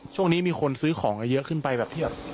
ช่วงนี้มีคนซื้อของเยอะขึ้นไปแบบที่แบบ